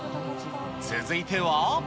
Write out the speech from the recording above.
続いては。